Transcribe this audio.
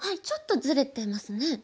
ちょっとずれてますね。